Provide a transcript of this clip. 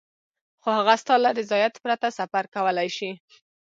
خو هغه ستا له رضایت پرته سفر کولای شي.